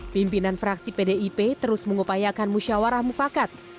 pimpinan fraksi pdip terus mengupayakan musyawarah mufakat